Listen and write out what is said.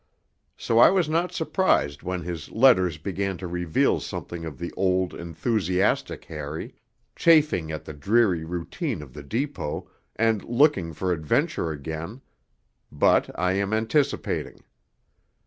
So I was not surprised when his letters began to reveal something of the old enthusiastic Harry, chafing at the dreary routine of the Depot, and looking for adventure again.... But I am anticipating.